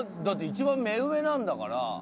だって一番目上なんだから。